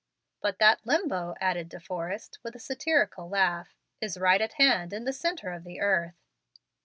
"But that Limbo," added De Forrest, with a satirical laugh, "is right at hand in the centre of the earth."